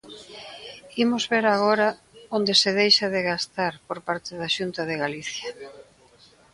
Imos ver agora onde se deixa de gastar por parte da Xunta de Galicia.